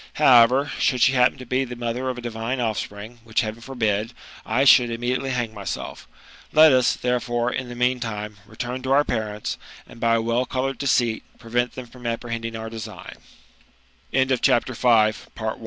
However, should she happen to be the mother of a divine offspring, which heaven forbid ! I should immediately bang myself. Let us, therefore, in the meandme return to our parents, and by a well coloured decisie, prevent them from apprehending our de